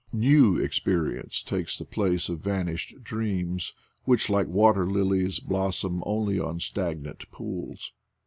New experience takes the place of vanished dreams, which, like water lilies, blossom only on stagnant pools.